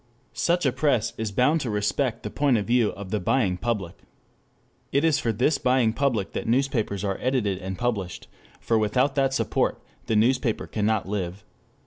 Such a press is bound to respect the point of view of the buying public. It is for this buying public that newspapers are edited and published, for without that support the newspaper cannot live.